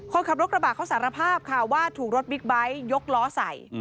คนขับรถกระบะเขาสารภาพค่ะว่าถูกรถบิ๊กไบท์ยกล้อใส่